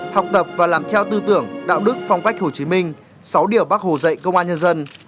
học tập và làm theo tư tưởng đạo đức phong cách hồ chí minh sáu điều bác hồ dạy công an nhân dân